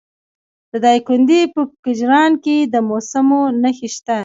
د دایکنډي په کجران کې د مسو نښې شته.